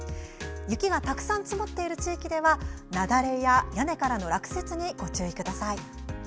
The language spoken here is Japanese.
雪がたくさん積もっている地域では雪崩や屋根からの落雪にご注意ください。